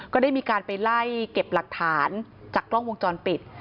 ก็ได้มีการไปไล่เก็บหลักฐานจากกล้องวงจรปิด